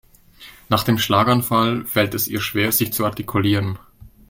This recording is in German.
Nach dem Schlaganfall fällt es ihr schwer sich zu artikulieren.